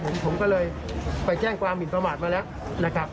ผมก็เลยไปแจ้งความหมินประมาทมาแล้วนะครับ